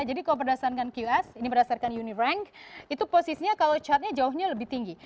jadi kalau berdasarkan qs ini berdasarkan unirank itu posisinya kalau catnya jauhnya lebih tinggi